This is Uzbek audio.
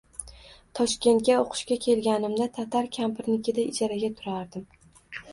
Toshkentga o’qishga kelganimda tatar kampirnikida ijarada turdim.